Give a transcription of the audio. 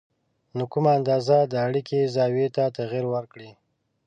نو کمه اندازه د اړیکې زاویې ته تغیر ورکړئ